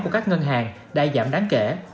của các ngân hàng đã giảm đáng kể